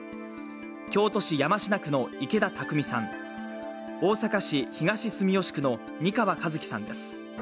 京都市山科区の池田拓民さん、大阪市東住吉区の仁川雅月さんです。